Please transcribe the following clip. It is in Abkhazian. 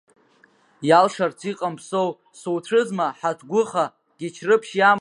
Иалшарц иҟам Ԥсоу, суцәыӡуа, ҳагәҭыха Гечрыԥшь иамаӡоуп.